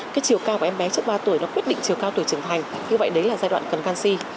cái chiều cao của em bé trước ba tuổi nó quyết định chiều cao tuổi trưởng thành như vậy đấy là giai đoạn cần canxi